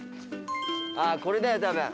ああこれだよ多分。